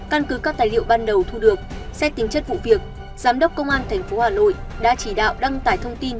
căn cứ các tài liệu ban đầu thu được xét tính chất vụ việc giám đốc công an tp hà nội đã chỉ đạo đăng tải thông tin